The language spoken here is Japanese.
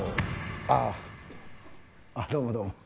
あどうもどうも。